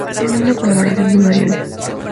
Tiene una coloración muy variable.